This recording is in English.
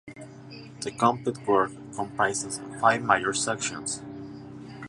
The complete work comprises five major sections.